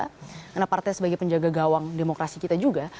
karena partai sebagai penjaga gawang demokrasi kita juga